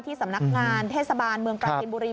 สำนักงานเทศบาลเมืองปราจินบุรี